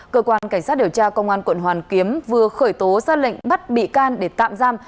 cơ quan cảnh sát điều tra công an quận hoàn kiếm vừa khởi tố ra lệnh bắt bị can để tạm giam